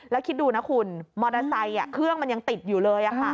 แล้วคิดดูนะคุณมอเตอร์ไซค์เครื่องมันยังติดอยู่เลย